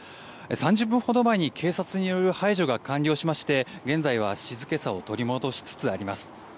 ３０分ほど前に警察による排除が完了しまして現在は静けさを取り戻しつつあります。